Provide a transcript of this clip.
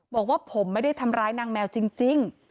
บอกว่าผมไม่ได้ทำร้ายนางแมวจริง